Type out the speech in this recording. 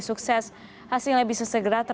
sukses hasilnya bisa segera